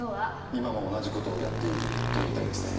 今も同じ事をやっていると言いたいんですね？